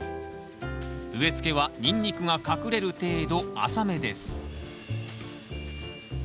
植えつけはニンニクが隠れる程度浅めです